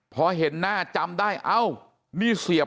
พอเห็นหน้าจำได้